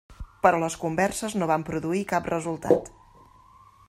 Però les converses no van produir cap resultat.